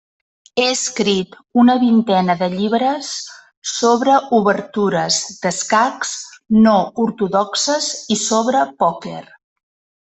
Ha escrit una vintena de llibres sobre obertures d'escacs no ortodoxes i sobre pòquer.